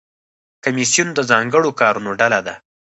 کمیسیون د ځانګړو کارونو ډله ده